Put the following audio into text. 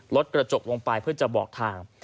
รถกระจกลงไปเพื่อจะบอกทาง